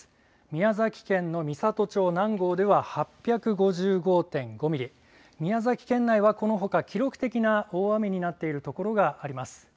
宮崎県の美郷町南郷では８５５．５ミリ、宮崎県内はこのほか、記録的な大雨になっているところがあります。